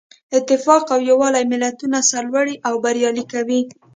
اتفاق او یووالی ملتونه سرلوړي او بریالي کوي.